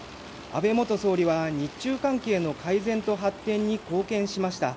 安倍元総理は日中関係の改善と発展に貢献しました